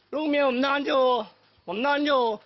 ลูกเมียผมนอนอยู่